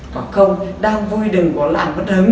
bảo không đang vui đừng có làm bất hứng